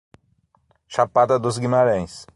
Chapada dos Guimarães